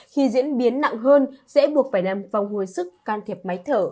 khi diễn biến nặng hơn sẽ buộc phải nằm vòng hồi sức can thiệp máy thở